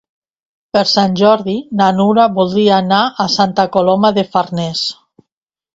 Per Sant Jordi na Nura voldria anar a Santa Coloma de Farners.